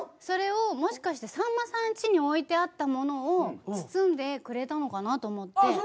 それをもしかしてさんまさんちに置いてあったものを包んでくれたのかなと思って。